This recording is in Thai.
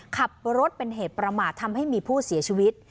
ขับรถเป็นเหตุประมาททำให้มีผู้เสียชีวิต